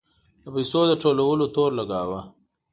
د پیسو د ټولولو تور لګاوه.